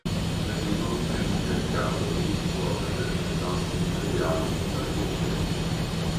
Venne inoltre incaricato di riscuotere le tasse imperiali dagli Ebrei.